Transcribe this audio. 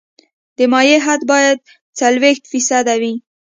د مایع حد باید څلوېښت فیصده وي